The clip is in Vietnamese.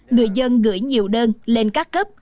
người dân gửi nhiều đơn lên các cấp